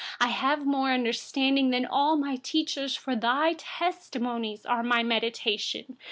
99I have more understanding than all my teachers, for your testimonies are my meditation.